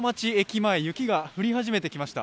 前、雪が降り始めてきました。